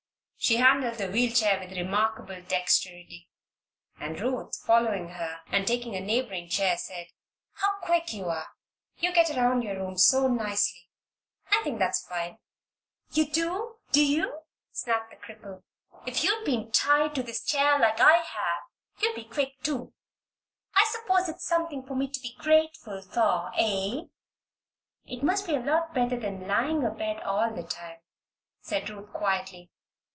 She handled the wheel chair with remarkable dexterity, and Ruth, following her and taking a neighboring chair said: "How quick you are! You get around your room so nicely. I think that's fine." "You do; do you?" snapped the cripple. "If you'd been tied to this chair like I have, you'd be quick, too. I suppose it's something for me to be grateful for; eh?" "It must be a lot better than lying abed all the time," said Ruth, quietly.